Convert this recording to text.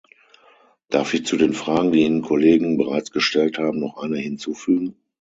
Darf ich zu den Fragen, die Ihnen Kollegen bereits gestellt haben, noch eine hinzufügen?